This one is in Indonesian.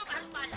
lo harus bayar